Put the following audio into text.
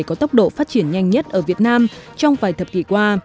có tốc độ phát triển nhanh nhất ở việt nam trong vài thập kỷ qua